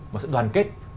một sự đoàn kết